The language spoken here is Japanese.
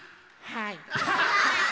はい。